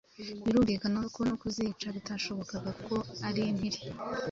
Birumvikana ko no kuzica bitashobokaga kuko ari impiri,